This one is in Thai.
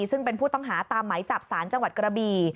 ซึ่งเป็นผู้ต้องหาตามไหมจับสารจังหวัดกระบี่